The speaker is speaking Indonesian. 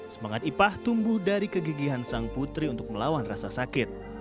semangat ipah tumbuh dari kegigihan sang putri untuk melawan rasa sakit